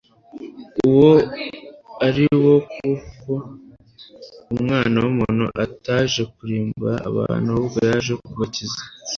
uwo ari wo; kuko Umwana w'umuntu ataje kurimbura abantu, ahubwo yaje kubakiza.'»